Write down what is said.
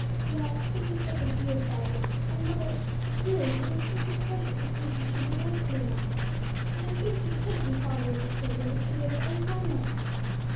"Yes; Dick is such a dear fellow! and mother really it is just a pleasure to see how she delights in it all. And I think she couldn't be fonder of the children if she were their own grandmother."